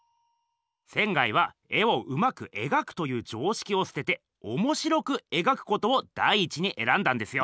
仙は絵をうまくえがくという常識をすてておもしろくえがくことを第一にえらんだんですよ。